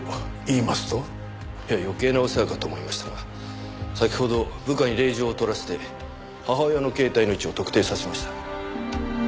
いや余計なお世話かと思いましたが先ほど部下に令状を取らせて母親の携帯の位置を特定させました。